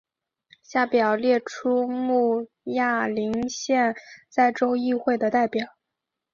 下表列出慕亚林县在州议会的代表。